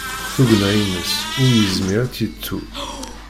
Tugna-ines, ur yezmir ad tt-yettu.